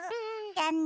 じゃあね。